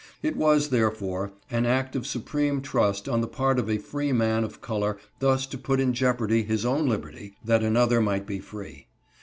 It was, therefore, an act of supreme trust on the part of a freeman of color thus to put in jeopardy his own liberty that another might be free.